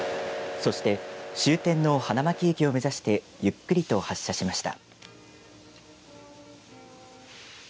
そして、終点の花巻駅を目指してゆっくりと発車しました。